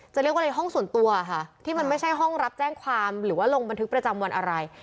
จะเรียกว่าในห้องส่วนตัวค่ะที่มันไม่ใช่ห้องรับแจ้งความหรือว่าลงบันทึกประจำวันอะไร